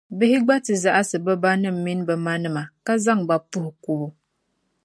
bihi gba ti zaɣisi bɛ banim’ mini bɛ manima, ka zaŋ ba puhi kubu.